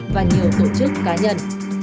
và nhiều tổ chức cá nhân